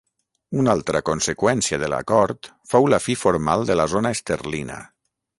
Una altra conseqüència de l'Acord fou la fi formal de la zona esterlina.